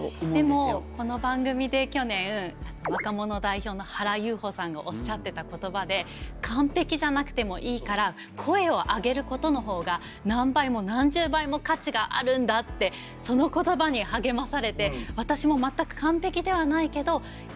でもこの番組で去年若者代表の原有穂さんがおっしゃってた言葉で「完璧じゃなくてもいいから声を上げることのほうが何倍も何十倍も価値があるんだ」ってその言葉に励まされて。